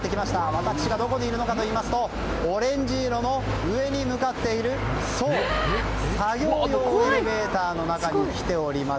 私がどこにいるのかといいますとオレンジ色の上に向かっているそう、作業用エレベーターの中に来ております。